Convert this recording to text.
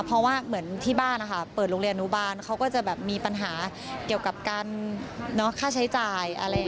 เพราะว่าเหมือนที่บ้านนะคะเปิดโรงเรียนอนุบาลเขาก็จะแบบมีปัญหาเกี่ยวกับการค่าใช้จ่ายอะไรอย่างนี้